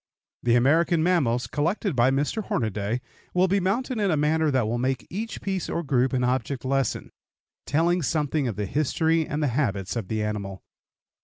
The American mammals, collected by Mr. Hornaday, will be mounted in a manner that will make each piece or group an object lesson, telling something of the history and the habits of the animal.